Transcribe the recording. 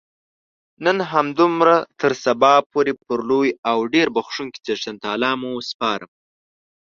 نن همدومره تر سبا پورې پر لوی او ډېر بخښونکي څښتن تعالا مو سپارم.